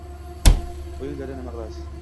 Qo‘ying, dada, nima qilasiz